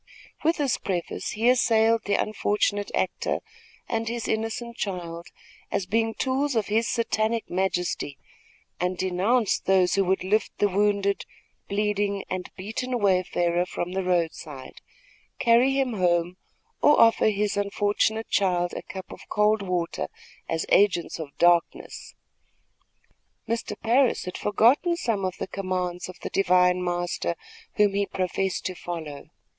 With this preface he assailed the unfortunate actor and his innocent child as being tools of his Satanic majesty, and denounced those who would lift the wounded, bleeding and beaten wayfarer from the road side, carry him home, or offer his unfortunate child a cup of cold water as agents of darkness. Mr. Parris had forgotten some of the commands of the divine Master, whom he professed to follow.